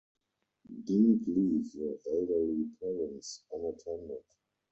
Don’t leave your elderly parents unattended.